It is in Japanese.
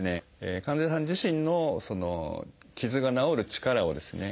患者さん自身の傷が治る力をですね